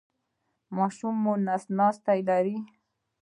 ماشوم مو نس ناستی لري؟